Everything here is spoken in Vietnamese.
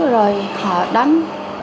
rồi họ đánh